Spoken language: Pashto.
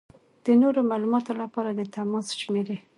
د نورو معلومات لپاره د تماس شمېرې: